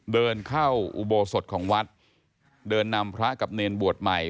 เดินเข้าอุโบสถของวัดเดินนำพระกับเนรบวชใหม่